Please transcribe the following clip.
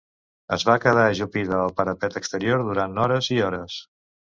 Es va quedar ajupida al parapet exterior durant hores i hores.